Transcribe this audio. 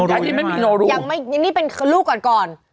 อันนี้ไม่มีโดรูนี่เป็นลูกก่อน